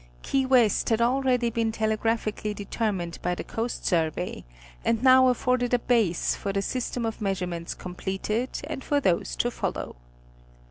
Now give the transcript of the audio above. Key West had aiready been telegraphically determined by the Coast Survey, and now afforded a base for the system of measurements completed _and for those to follow.